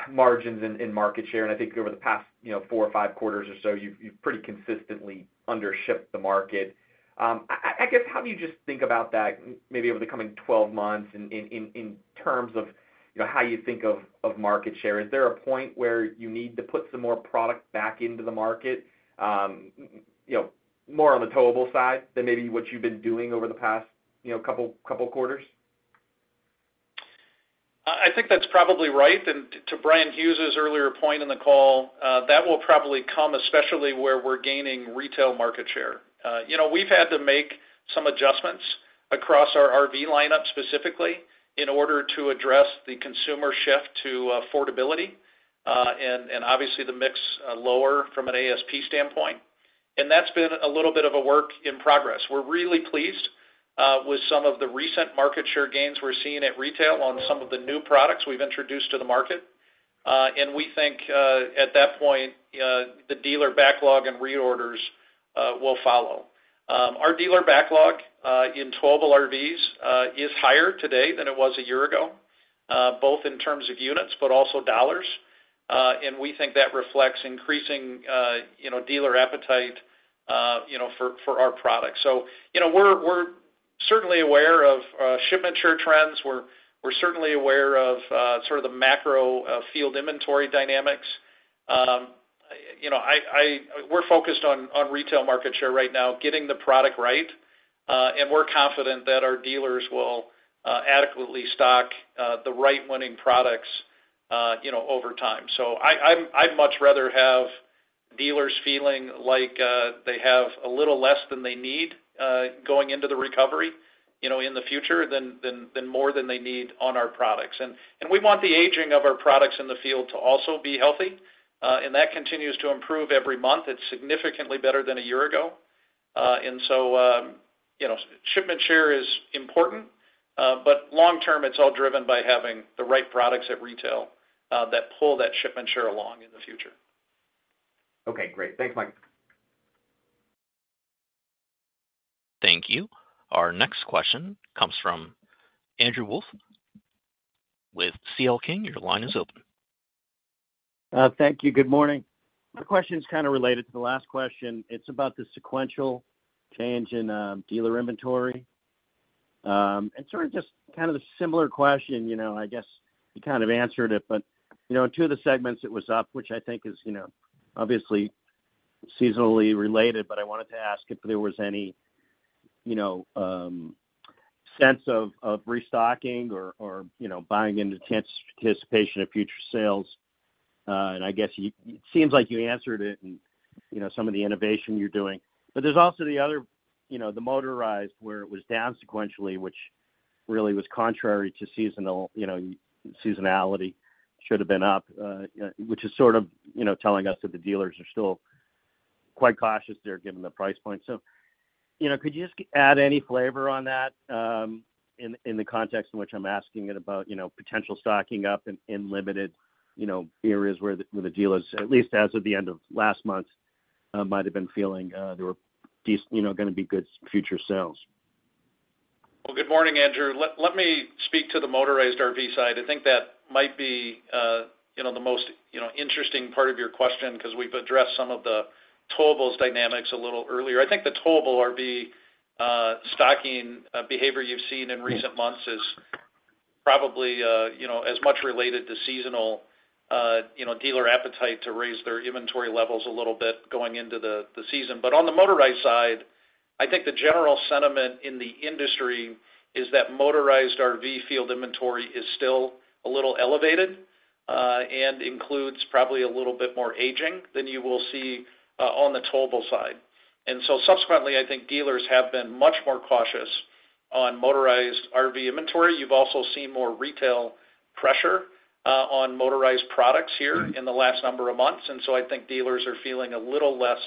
I: margins and market share. I think over the past four or five quarters or so, you've pretty consistently undershipped the market. I guess, how do you just think about that maybe over the coming 12 months in terms of how you think of market share? Is there a point where you need to put some more product back into the market, more on the Towables side than maybe what you've been doing over the past couple quarters?
C: I think that's probably right. To Bryan Hughes' earlier point in the call, that will probably come, especially where we're gaining retail market share. We've had to make some adjustments across our RV lineup specifically in order to address the consumer shift to affordability and obviously the mix lower from an ASP standpoint. That's been a little bit of a work in progress. We're really pleased with some of the recent market share gains we're seeing at retail on some of the new products we've introduced to the market. We think at that point, the dealer backlog and reorders will follow. Our dealer backlog in towable RVs is higher today than it was a year ago, both in terms of units but also dollars. We think that reflects increasing dealer appetite for our product. We're certainly aware of shipment share trends. We're certainly aware of sort of the macro field inventory dynamics. We're focused on retail market share right now, getting the product right. We're confident that our dealers will adequately stock the right winning products over time. I'd much rather have dealers feeling like they have a little less than they need going into the recovery in the future than more than they need on our products. We want the aging of our products in the field to also be healthy. That continues to improve every month. It's significantly better than a year ago. Shipment share is important. Long term, it's all driven by having the right products at retail that pull that shipment share along in the future.
I: Okay. Great. Thanks, Mike.
A: Thank you. Our next question comes from Andrew Wolf with CL King. Your line is open.
J: Thank you. Good morning. My question's kind of related to the last question. It's about the sequential change in dealer inventory. Sort of just kind of a similar question. I guess you kind of answered it, but in two of the segments, it was up, which I think is obviously seasonally related. I wanted to ask if there was any sense of restocking or buying into the anticipation of future sales. I guess it seems like you answered it and some of the innovation you're doing. There is also the other, the motorized, where it was down sequentially, which really was contrary to seasonality, should have been up, which is sort of telling us that the dealers are still quite cautious there given the price point. Could you just add any flavor on that in the context in which I'm asking it about potential stocking up in limited areas where the dealers, at least as of the end of last month, might have been feeling there were going to be good future sales?
C: Good morning, Andrew. Let me speak to the motorized RV side. I think that might be the most interesting part of your question because we've addressed some of the towables dynamics a little earlier. I think the towables RV stocking behavior you've seen in recent months is probably as much related to seasonal dealer appetite to raise their inventory levels a little bit going into the season. On the motorized side, I think the general sentiment in the industry is that motorized RV field inventory is still a little elevated and includes probably a little bit more aging than you will see on the towables side. Subsequently, I think dealers have been much more cautious on motorized RV inventory. You've also seen more retail pressure on motorized products here in the last number of months. I think dealers are feeling a little less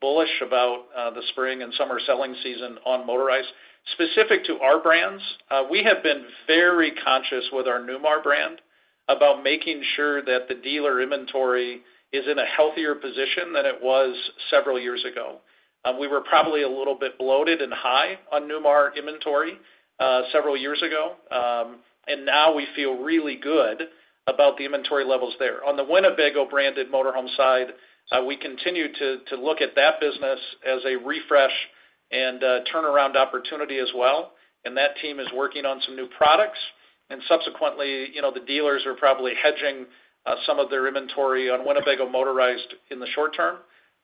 C: bullish about the spring and summer selling season on motorized. Specific to our brands, we have been very conscious with our Newmar brand about making sure that the dealer inventory is in a healthier position than it was several years ago. We were probably a little bit bloated and high on Newmar inventory several years ago. Now we feel really good about the inventory levels there. On the Winnebago branded motorhome side, we continue to look at that business as a refresh and turnaround opportunity as well. That team is working on some new products. Subsequently, the dealers are probably hedging some of their inventory on Winnebago motorized in the short term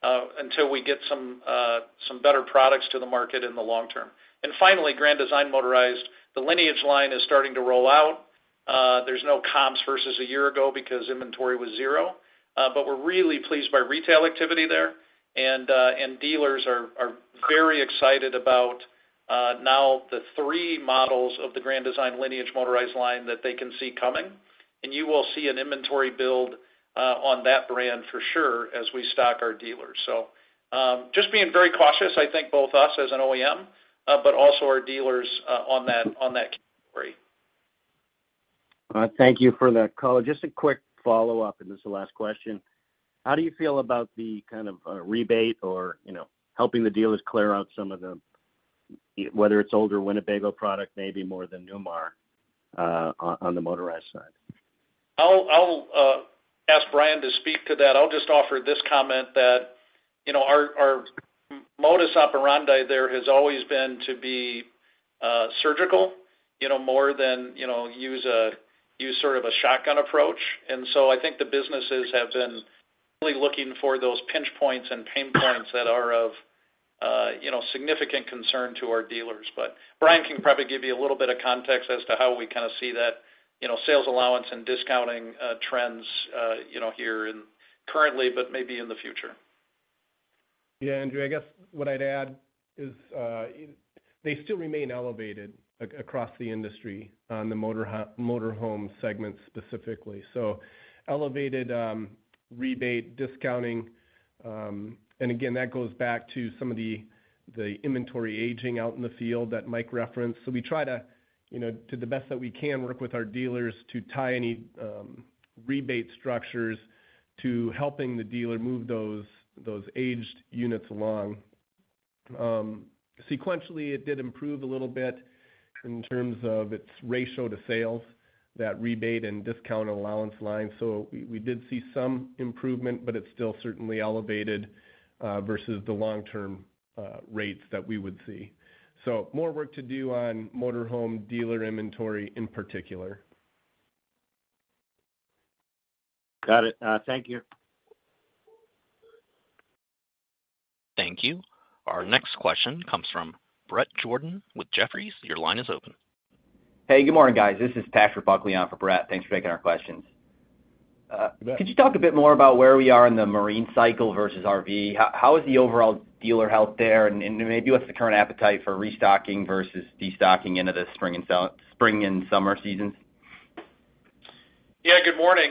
C: until we get some better products to the market in the long term. Finally, Grand Design motorized, the Lineage line is starting to roll out. There are no comps versus a year ago because inventory was zero. We are really pleased by retail activity there. Dealers are very excited about now the three models of the Grand Design Lineage motorized line that they can see coming. You will see an inventory build on that brand for sure as we stock our dealers. Just being very cautious, I think both us as an OEM, but also our dealers on that category.
J: Thank you for that color. Just a quick follow-up, and this is the last question. How do you feel about the kind of rebate or helping the dealers clear out some of the, whether it is older Winnebago product, maybe more than Newmar on the motorized side?
C: I will ask Bryan to speak to that. I'll just offer this comment that our modus operandi there has always been to be surgical more than use sort of a shotgun approach. I think the businesses have been really looking for those pinch points and pain points that are of significant concern to our dealers. Bryan can probably give you a little bit of context as to how we kind of see that sales allowance and discounting trends here currently, but maybe in the future.
D: Yeah, Andrew. I guess what I'd add is they still remain elevated across the industry on the motorhome segment specifically. Elevated rebate, discounting. That goes back to some of the inventory aging out in the field that Mike referenced. We try to, to the best that we can, work with our dealers to tie any rebate structures to helping the dealer move those aged units along. Sequentially, it did improve a little bit in terms of its ratio to sales, that rebate and discount allowance line. We did see some improvement, but it's still certainly elevated versus the long-term rates that we would see. More work to do on motorhome dealer inventory in particular.
J: Got it. Thank you.
A: Thank you. Our next question comes from Bret Jordan with Jefferies. Your line is open.
K: Hey, good morning, guys. This is Patrick Buckley on for Bret. Thanks for taking our questions. Could you talk a bit more about where we are in the marine cycle versus RV? How is the overall dealer health there? Maybe what's the current appetite for restocking versus destocking into the spring and summer seasons?
C: Yeah, good morning.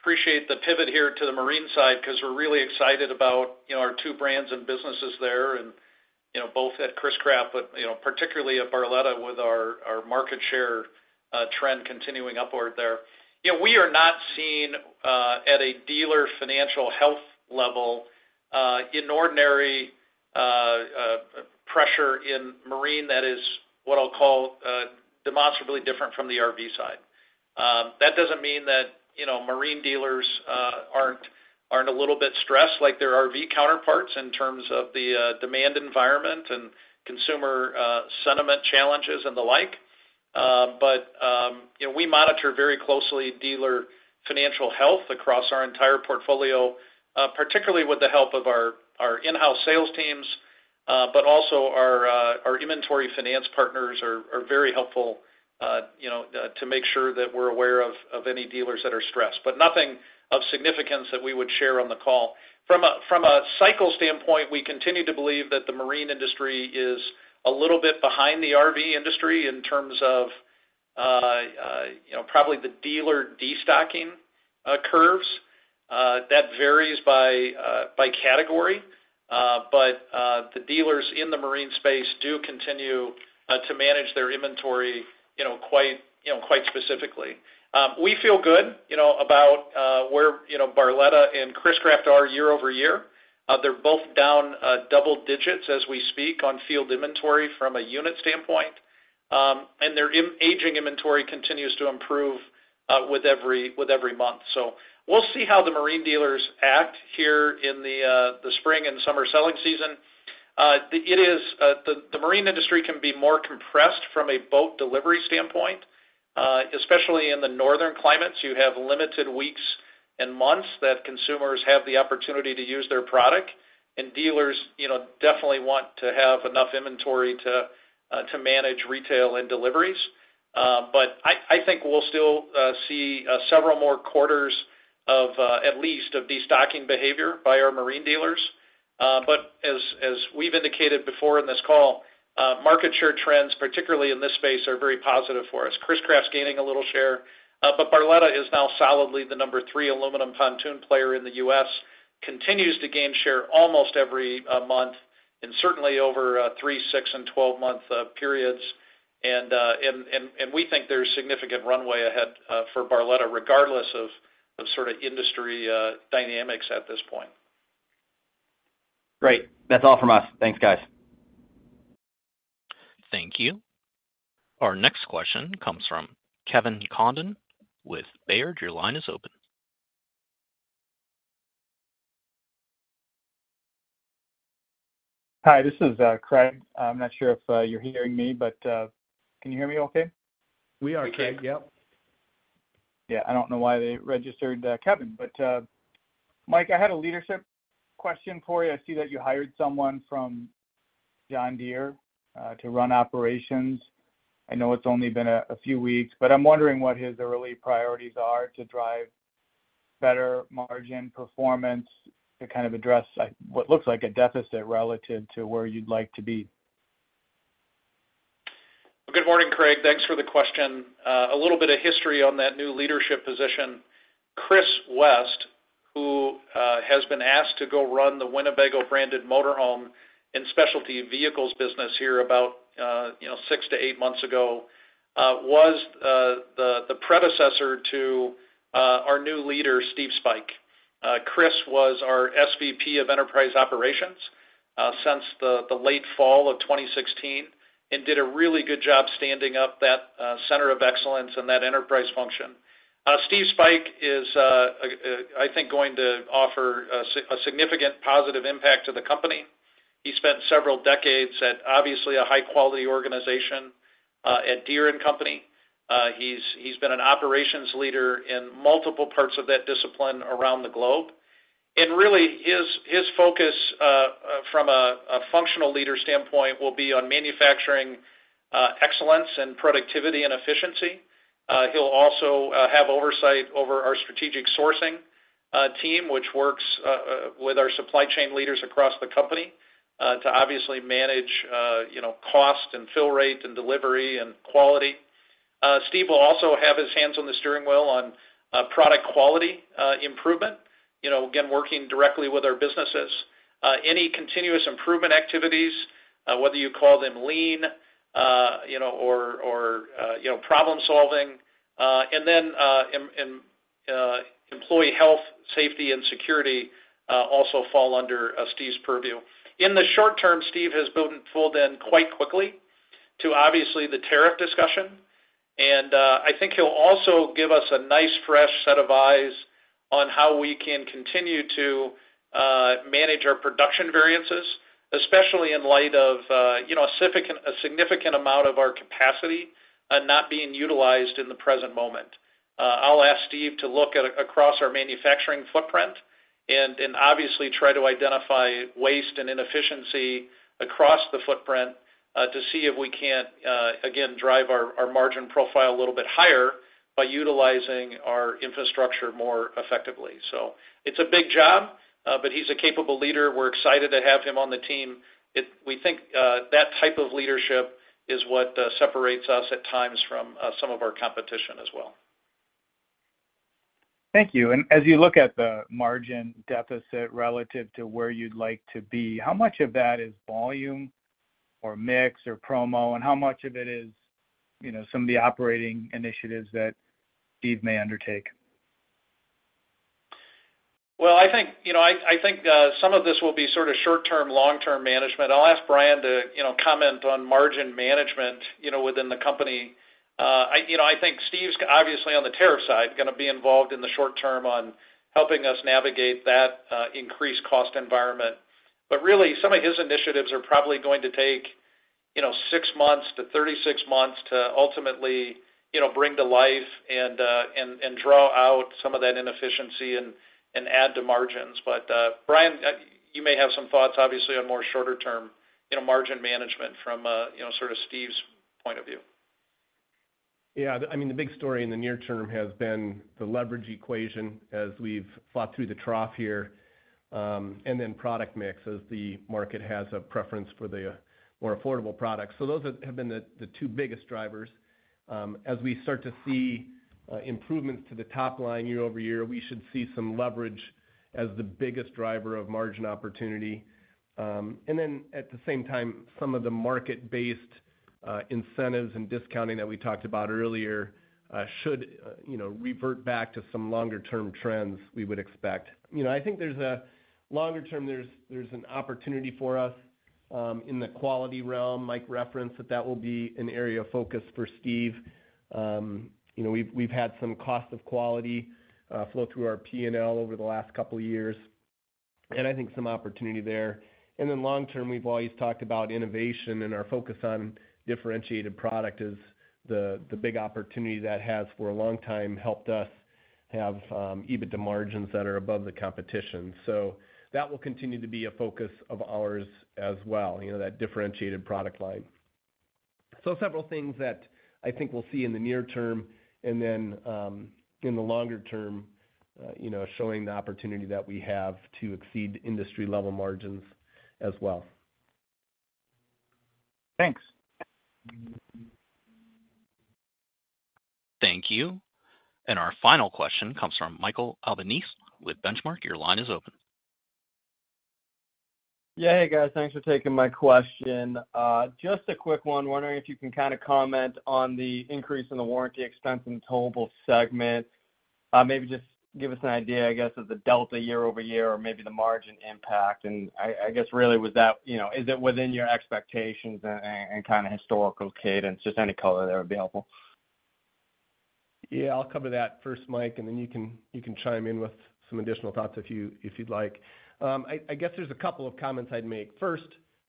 C: Appreciate the pivot here to the marine side because we're really excited about our two brands and businesses there and both at Chris-Craft, but particularly at Barletta with our market share trend continuing upward there. We are not seeing at a dealer financial health level an ordinary pressure in marine that is what I'll call demonstrably different from the RV side. That doesn't mean that marine dealers aren't a little bit stressed like their RV counterparts in terms of the demand environment and consumer sentiment challenges and the like. We monitor very closely dealer financial health across our entire portfolio, particularly with the help of our in-house sales teams, but also our inventory finance partners are very helpful to make sure that we're aware of any dealers that are stressed. Nothing of significance that we would share on the call. From a cycle standpoint, we continue to believe that the marine industry is a little bit behind the RV industry in terms of probably the dealer destocking curves. That varies by category. The dealers in the marine space do continue to manage their inventory quite specifically. We feel good about where Barletta and Chris-Craft are year over year. They're both down double digits as we speak on field inventory from a unit standpoint. Their aging inventory continues to improve with every month. We will see how the marine dealers act here in the spring and summer selling season. The marine industry can be more compressed from a boat delivery standpoint, especially in the northern climates. You have limited weeks and months that consumers have the opportunity to use their product. Dealers definitely want to have enough inventory to manage retail and deliveries. I think we'll still see several more quarters at least of destocking behavior by our marine dealers. As we've indicated before in this call, market share trends, particularly in this space, are very positive for us. Chris-Craft's gaining a little share. Barletta is now solidly the number three aluminum pontoon player in the US, continues to gain share almost every month, and certainly over three, six, and twelve-month periods. We think there's significant runway ahead for Barletta regardless of sort of industry dynamics at this point.
K: Great. That's all from us. Thanks, guys.
A: Thank you. Our next question comes from Kevin Condon with Baird. Your line is open.
L: Hi, this is Craig. I'm not sure if you're hearing me, but can you hear me okay?
C: We are okay. Yep.
L: Yeah. I don't know why they registered Kevin. Mike, I had a leadership question for you. I see that you hired someone from John Deere to run operations. I know it's only been a few weeks, but I'm wondering what his early priorities are to drive better margin performance to kind of address what looks like a deficit relative to where you'd like to be.
C: Good morning, Craig. Thanks for the question. A little bit of history on that new leadership position. Chris West, who has been asked to go run the Winnebago branded motorhome and Specialty Vehicles Business here about six to eight months ago, was the predecessor to our new leader, Steve Speich. Chris was our SVP of Enterprise Operations since the late fall of 2016 and did a really good job standing up that Center of Excellence and that enterprise function. Steve Speich is, I think, going to offer a significant positive impact to the company. He spent several decades at obviously a high-quality organization at Deere & Company. He's been an operations leader in multiple parts of that discipline around the globe. Really, his focus from a functional leader standpoint will be on manufacturing excellence and productivity and efficiency. He'll also have oversight over our Strategic Sourcing Team, which works with our supply chain leaders across the company to obviously manage cost and fill rate and delivery and quality. Steve will also have his hands on the steering wheel on product quality improvement, again, working directly with our businesses. Any continuous improvement activities, whether you call them Lean or problem-solving. Employee Health, Safety, and Security also fall under Steve's purview. In the short term, Steve has pulled in quite quickly to obviously the tariff discussion. I think he'll also give us a nice fresh set of eyes on how we can continue to manage our production variances, especially in light of a significant amount of our capacity not being utilized in the present moment. I'll ask Steve to look across our manufacturing footprint and obviously try to identify waste and inefficiency across the footprint to see if we can't, again, drive our margin profile a little bit higher by utilizing our infrastructure more effectively. It is a big job, but he's a capable leader. We're excited to have him on the team. We think that type of leadership is what separates us at times from some of our competition as well.
L: Thank you. As you look at the margin deficit relative to where you'd like to be, how much of that is volume or mix or promo, and how much of it is some of the operating initiatives that Steve may undertake?
C: I think some of this will be sort of short-term, long-term management. I'll ask Bryan to comment on margin management within the company. I think Steve's obviously on the tariff side, going to be involved in the short term on helping us navigate that increased cost environment. Really, some of his initiatives are probably going to take six months-36 months to ultimately bring to life and draw out some of that inefficiency and add to margins. Bryan, you may have some thoughts, obviously, on more shorter-term margin management from sort of Steve's point of view.
D: Yeah. I mean, the big story in the near term has been the leverage equation as we've fought through the trough here, and then product mix as the market has a preference for the more affordable products. Those have been the two biggest drivers. As we start to see improvements to the top line year over year, we should see some leverage as the biggest driver of margin opportunity. At the same time, some of the market-based incentives and discounting that we talked about earlier should revert back to some longer-term trends we would expect. I think there's a longer-term, there's an opportunity for us in the quality realm. Mike referenced that that will be an area of focus for Steve. We've had some cost of quality flow through our P&L over the last couple of years. I think some opportunity there. Long-term, we've always talked about innovation and our focus on differentiated product is the big opportunity that has for a long time helped us have EBITDA margins that are above the competition. That will continue to be a focus of ours as well, that differentiated product line. Several things that I think we'll see in the near term and then in the longer term showing the opportunity that we have to exceed industry-level margins as well.
L: Thanks.
A: Thank you. Our final question comes from Michael Albanese with Benchmark. Your line is open.
M: Yeah. Hey, guys. Thanks for taking my question. Just a quick one. Wondering if you can kind of comment on the increase in the warranty expense in the total segment. Maybe just give us an idea, I guess, of the delta year-over-year or maybe the margin impact. I guess really was that, is it within your expectations and kind of historical cadence? Just any color there would be helpful.
D: Yeah. I'll cover that first, Mike, and then you can chime in with some additional thoughts if you'd like. I guess there's a couple of comments I'd make. First,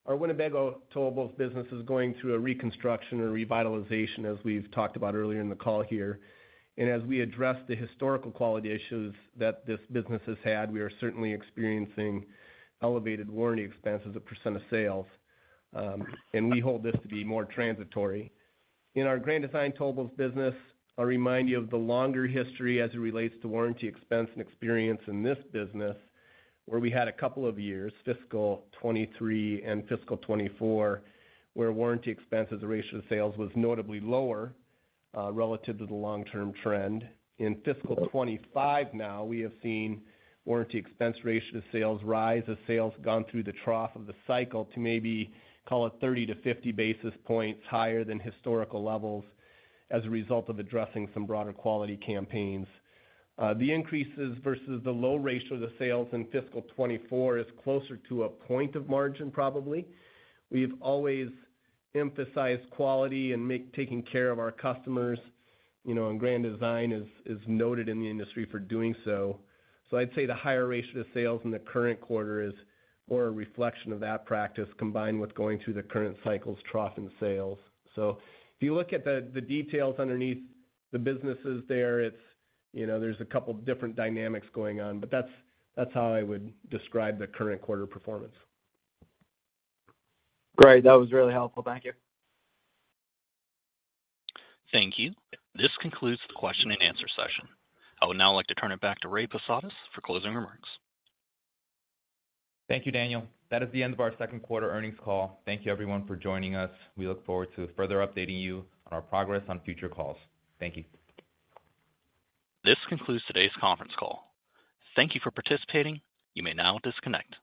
D: our Winnebago total business is going through a reconstruction or revitalization, as we've talked about earlier in the call here. As we address the historical quality issues that this business has had, we are certainly experiencing elevated warranty expenses as a % of sales. We hold this to be more transitory. In our Grand Design total business, I'll remind you of the longer history as it relates to warranty expense and experience in this business, where we had a couple of years, fiscal 2023 and fiscal 2024, where warranty expenses ratio to sales was notably lower relative to the long-term trend. In fiscal 2025 now, we have seen warranty expense ratio to sales rise, as sales gone through the trough of the cycle to maybe call it 30-50 basis points higher than historical levels as a result of addressing some broader quality campaigns. The increases versus the low ratio of the sales in fiscal 2024 is closer to a point of margin, probably. We've always emphasized quality and taking care of our customers, and Grand Design is noted in the industry for doing so. I'd say the higher ratio to sales in the current quarter is more a reflection of that practice combined with going through the current cycle's trough in sales. If you look at the details underneath the businesses there, there's a couple of different dynamics going on, but that's how I would describe the current quarter performance.
M: Great. That was really helpful. Thank you. Thank you. This concludes the question and answer session. I would now like to turn it back to Ray Posadas for closing remarks.
B: Thank you, Daniel. That is the end of our second quarter earnings call. Thank you, everyone, for joining us. We look forward to further updating you on our progress on future calls. Thank you.
A: This concludes today's conference call. Thank you for participating. You may now disconnect.